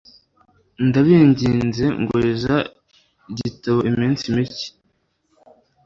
Ndabinginze nguriza gitabo iminsi mike.